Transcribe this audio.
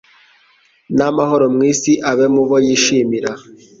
n'amahoro mu isi abe mu bo yishimira! »